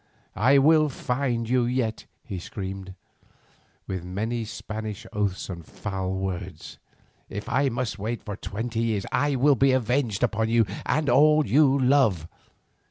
"'I will find you yet,' he screamed, with many Spanish oaths and foul words. 'If I must wait for twenty years I will be avenged upon you and all you love.